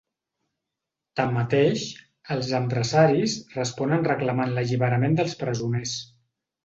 Tanmateix, els empresaris responen reclamant l’alliberament dels presoners.